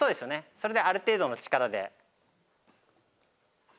それである程度の力で。